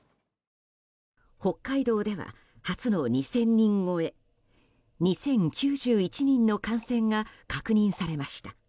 北海道では初の２０００人超え２０９１人の感染が確認されました。